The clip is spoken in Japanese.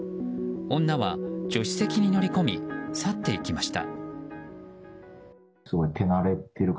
女は助手席に乗り込み去っていきました。